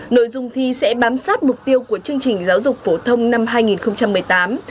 nội dung thi sẽ bám sát mục tiêu của chương trình giáo dục phổ thông năm hai nghìn một mươi tám